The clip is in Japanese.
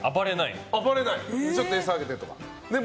で、ちょっと餌あげてとか。